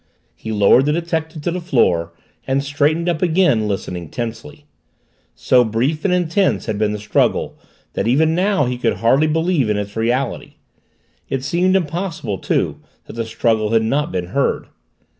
He lowered the detective to the floor and straightened up again, listening tensely. So brief and intense had been the struggle that even now he could hardly believe in its reality. It seemed impossible, too, that the struggle had not been heard.